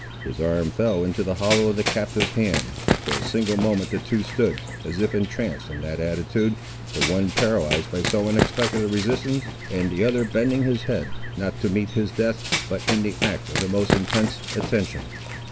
His arm fell into the hollow of the captive's hand. For a single moment the two stood, as if entranced in that attitude, the one paralysed by so unexpected a resistance, and the other bending his head, not to meet his death, but in the act of the most intense attention.